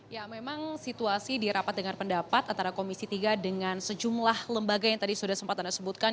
ya memang situasi di rapat dengan pendapat antara komisi tiga dengan sejumlah lembaga yang tadi sudah sempat anda sebutkan